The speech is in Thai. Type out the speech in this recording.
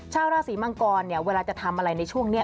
ชาวราศีมังกรเนี่ยเวลาจะทำอะไรในช่วงนี้